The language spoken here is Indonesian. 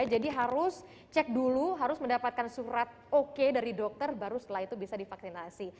jadi harus cek dulu harus mendapatkan surat oke dari dokter baru setelah itu bisa divaksinasi